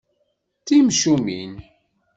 D timcumin.